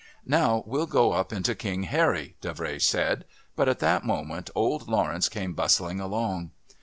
"Now we'll go up into King Harry," Davray said. But at that moment old Lawrence came bustling along.